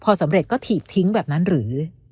พอสำเร็จก็ถีบทิ้งแบบนั้นหรือ